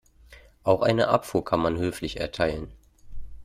Auch eine Abfuhr kann man höflich erteilen.